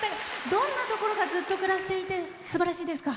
どんなところがずっと暮らしていてすばらしいですか？